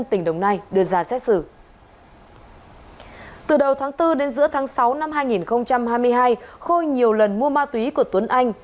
từ đầu tháng bốn đến giữa tháng sáu năm hai nghìn hai mươi hai khôi nhiều lần mua ma túy của tuấn anh